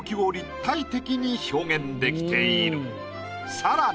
さらに。